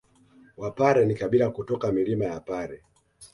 Wapare ni kabila kutoka milima ya Pare